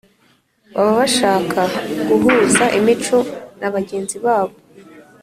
baba bashaka guhuza imico nabagenzi babo